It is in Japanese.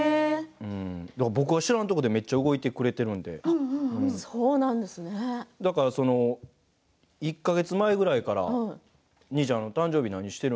僕が知らんとこでめっちゃ動いてくれているのでだから１か月前くらいから兄ちゃん、誕生日なにしてるん？